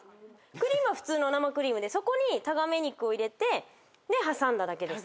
クリームは普通の生クリームでそこにタガメ肉を入れて挟んだだけです。